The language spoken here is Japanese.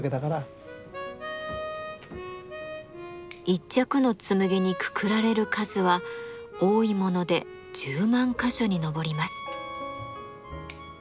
一着の紬にくくられる数は多いもので１０万か所に上ります。